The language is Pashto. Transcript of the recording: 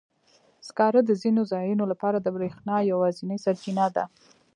سکاره د ځینو ځایونو لپاره د برېښنا یوازینی سرچینه ده.